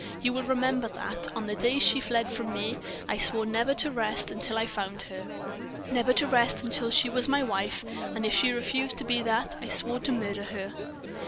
"You will remember that, on the day she fled from me, I swore never to rest until I found her; never to rest until she was my wife, and if she refused to be that, I swore to murder her!"